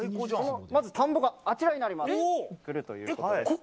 まず田んぼがあちらになります。